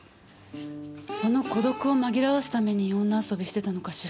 その孤独を紛らわすために女遊びしてたのかしら。